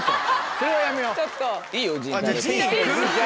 それはやめよう。